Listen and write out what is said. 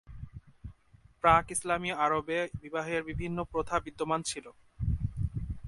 প্রাক-ইসলামী আরবে, বিবাহের বিভিন্ন প্রথা বিদ্যমান ছিল।